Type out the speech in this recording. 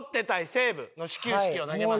西武の始球式を投げます。